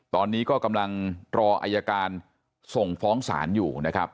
ตอนนี้ก็กำลังรออายการส่งฟ้องศาลอยู่นะครับ